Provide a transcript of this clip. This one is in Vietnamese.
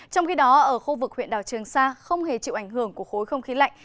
trong khi đó ở khu vực huyện đảo trường sa không hề chịu ảnh hưởng của khối không khí lạnh